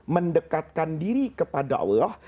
mendekatkan diri kepada allah